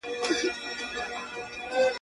د درواغو بانې جوړول